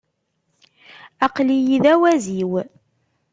Aql-iyi d awaziw.